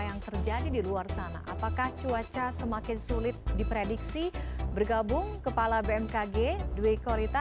yang terjadi di luar sana apakah cuaca semakin sulit diprediksi bergabung kepala bmkg dwi korita